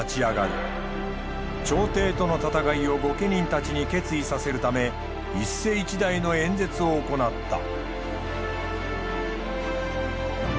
朝廷との戦いを御家人たちに決意させるため一世一代の演説を行った。